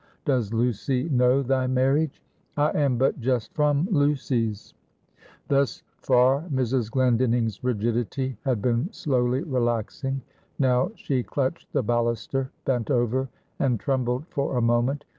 Does Lucy know thy marriage?" "I am but just from Lucy's." Thus far Mrs. Glendinning's rigidity had been slowly relaxing. Now she clutched the balluster, bent over, and trembled, for a moment.